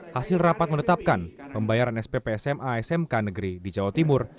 hasil rapat menetapkan pembayaran spp sma smk negeri di jawa timur